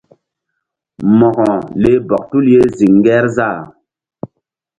Mo̧ko leh bɔk tul ye ziŋ Ŋgerzah.